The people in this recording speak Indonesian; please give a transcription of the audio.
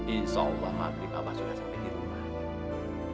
insya allah makrifat abang sudah sampai di rumah